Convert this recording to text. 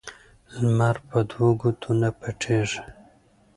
لمر په دوو ګوتو نه پټيږي.